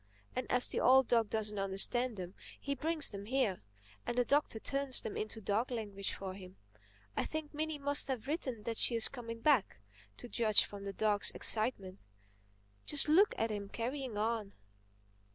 And as the old dog doesn't understand them, he brings them here, and the Doctor turns them into dog language for him. I think Minnie must have written that she is coming back—to judge from the dog's excitement. Just look at him carrying on!"